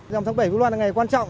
dằm tháng bảy vu lan là ngày quan trọng